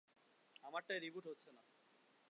আমারটায় reboot হচ্ছে না।